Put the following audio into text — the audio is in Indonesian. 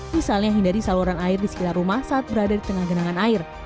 misalnya hindari saluran air di sekitar rumah saat berada di tengah genangan air